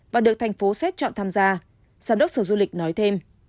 và được thành phố xét chọn tham gia giám đốc sở du lịch nói thêm